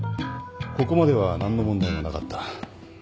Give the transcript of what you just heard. ここまでは何の問題もなかった。